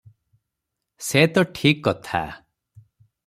ସେ ତ ଠିକ କଥା ।